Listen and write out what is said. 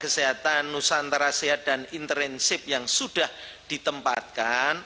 kesehatan nusantara sehat dan internship yang sudah ditempatkan